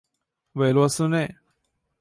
韦洛斯内。